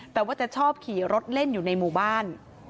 แต่ว่าจะชอบขี่รถเล่นอยู่ในหมู่บ้าน